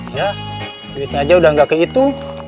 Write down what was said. ya duitnya aja udah nggak kayak itu